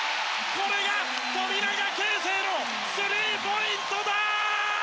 これが富永啓生のスリーポイントだ！